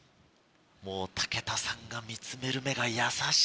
もう武田さんが見つめる目が優しい。